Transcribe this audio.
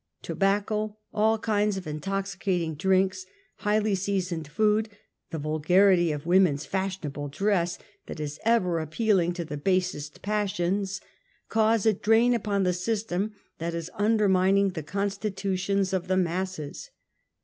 Tobacco, all kinds of intoxicating drinks^ highly seasoned food, the^vulgarity of women's \ fashionable dress that is ever appealing to the basest / passions, cause a drain upon the system that is undermining the constitutions of the masses.